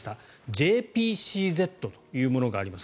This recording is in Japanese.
ＪＰＣＺというものがあります。